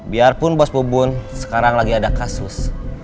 biarpun bos pubun sekarang lagi ada kasus